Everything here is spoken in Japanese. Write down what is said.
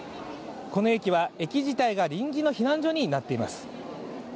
この駅は駅自体が臨時の避難所になっています。